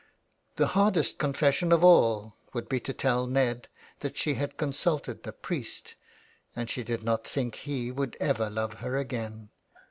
The hardest confession of all would be to tell Ned that she had consulted the priest, and she did not think he would ever love her again.